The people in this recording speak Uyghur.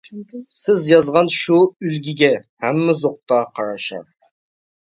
سىز يازغان شۇ ئۈلگىگە، ھەممە زوقتا قارىشار!